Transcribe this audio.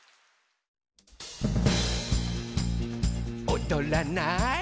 「おどらない？」